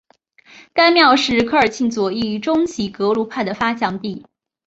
该庙是科尔沁左翼中旗格鲁派的发祥地。